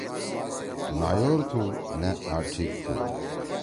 تُھو نایور تُھو؟ نأ آ ٹھیک تُھو۔